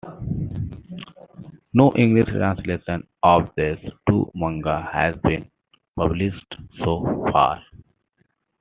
No English translation of these two manga has been published so far.